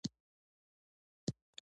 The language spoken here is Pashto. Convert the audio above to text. په مقابل کې یې د ازادۍ جګړې هم کړې دي.